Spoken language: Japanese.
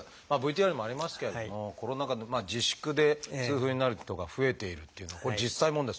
ＶＴＲにもありますけれどもコロナ禍の自粛で痛風になる人が増えているっていうの実際問題